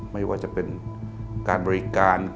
ไม่ว่าจะเป็นการบริการ